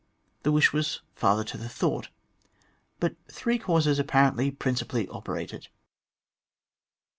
The wish was father to the thought. But three causes apparently principally operated.